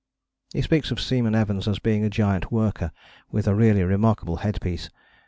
" He speaks of Seaman Evans as being a giant worker with a really remarkable headpiece.